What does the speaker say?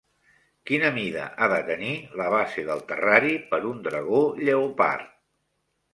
Quina mida ha de tenir la base del terrari per un dragó lleopard?